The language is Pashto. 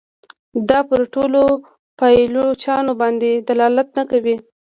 دا پر ټولو پایلوچانو باندي دلالت نه کوي.